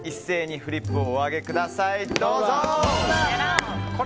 フリップをお上げください！